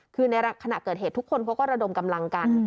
คือในขณะเกิดเหตุทุกคนเขาก็ระดมกำลังกัน